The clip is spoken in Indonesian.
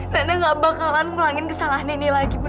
nanda gak bakalan melangin kesalahan ini lagi ibu